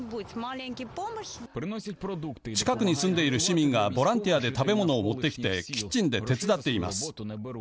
近くに住んでいる市民がボランティアで食べ物を持ってきてキッチンで手伝っています。